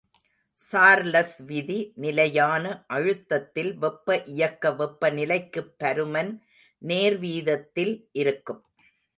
Charles விதி நிலையான அழுதத்தில் வெப்ப இயக்க வெப்பநிலைக்குப் பருமன் நேர்வீதத்தில் இருக்கும்.